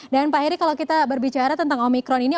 dan pak eri kalau kita berbicara tentang omikron ini